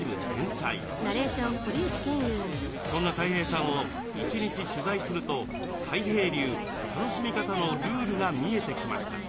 そんなたい平さんを一日取材するとたい平流楽しみ方のルールが見えてきました。